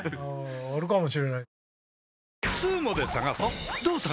あるかもしれない。